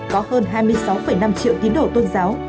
có hơn hai mươi sáu năm triệu tín đồ tôn giáo